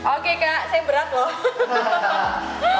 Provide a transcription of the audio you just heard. oke kak saya berat loh